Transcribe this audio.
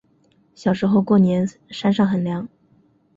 小时候过年山上很凉